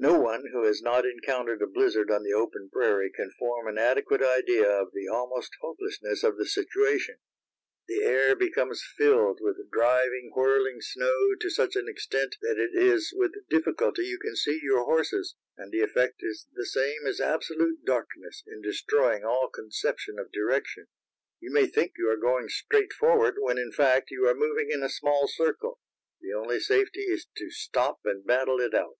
No one who has not encountered a blizzard on the open prairie can form an adequate idea of the almost hopelessness of the situation. The air becomes filled with driving, whirling snow to such an extent that it is with difficulty you can see your horses, and the effect is the same as absolute darkness in destroying all conception of direction. You may think you are going straight forward when in fact you are moving in a small circle; the only safety is to stop and battle it out.